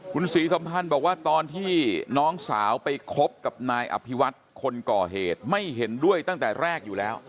คุณศรีสัมพันธ์บอกว่าตอนที่น้องสาวไปคบกับนายอภิวัตคนก่อเหตุไม่เห็นด้วยตั้งแต่แรกอยู่แล้ว